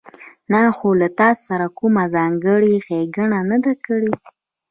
ما خو له تاسره کومه ځانګړې ښېګڼه نه ده کړې